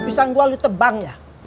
mau pisang gua lu tebang ya